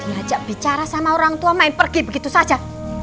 diajak bicara sama orang tua main pergi begitu saja